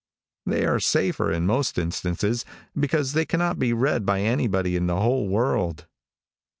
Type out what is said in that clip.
They are safer, in most instances, because they cannot be read by anybody in the whole world.